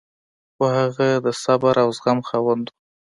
خو هغه د صبر او زغم خاوند و.